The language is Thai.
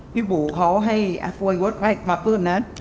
พี่บุ๋ขอให้อฟวัยเวิร์ดไวท์มาพึ่งนะ